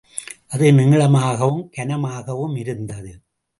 அது நீளமாகவும், கனமாகவும் இருந்தது.